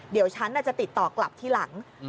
เดี๋ยวฉันจะติดต่อกลับทีหลัง